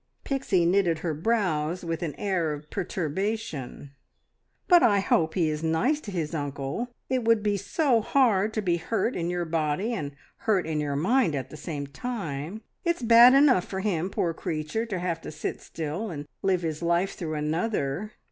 Pixie knitted her brows with an air of perturbation. "But I hope he is nice to his uncle. It would be so hard to be hurt in your body and hurt in your mind at the same time. It's bad enough for him, poor creature, to have to sit still and live his life through another.